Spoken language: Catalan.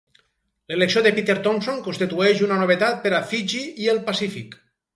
L'elecció de Peter Thomson constitueix una novetat per a Fiji i el Pacífic.